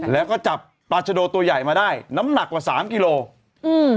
แล้วก็จับปลาชโดตัวใหญ่มาได้น้ำหนักกว่าสามกิโลอืม